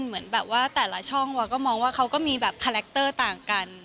เหมือนแบบว่าแต่ละช่องวาก็มองว่าเขาก็มีแบบคาแรคเตอร์ต่างกัน